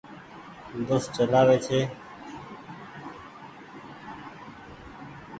بس چلآوي ڇي۔